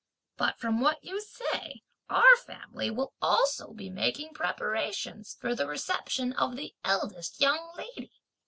but from what you say, our family will also be making preparations for the reception of the eldest young lady!"